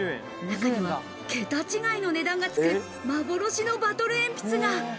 中には桁違いの値段がつく、幻のバトルえんぴつが。